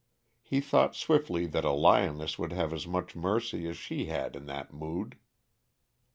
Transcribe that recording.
He thought swiftly that a lioness would have as much mercy as she had in that mood.